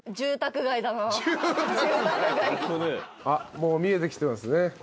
もう見えてきてますね。